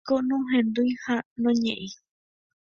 Haʼéko nohendúi ha noñeʼẽi.